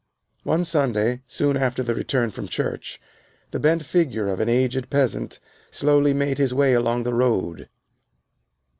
One Sunday, soon after the return from church, the bent figure of an aged peasant slowly made his way along the road.